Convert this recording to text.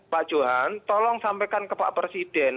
pak johan tolong sampaikan ke pak presiden